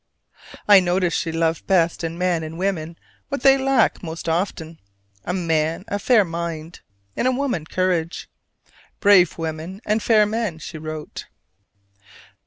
I noticed she loved best in men and women what they lack most often: in a man, a fair mind; in a woman, courage. "Brave women and fair men," she wrote.